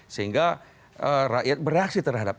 sehingga rakyat beraksi terhadap itu